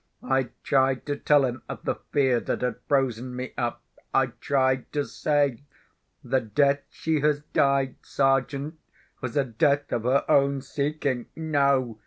I tried to tell him of the fear that had frozen me up. I tried to say, "The death she has died, Sergeant, was a death of her own seeking." No!